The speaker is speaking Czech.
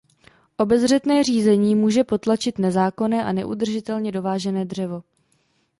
Obezřetné řízení může potlačit nezákonné a neudržitelně dovážené dřevo.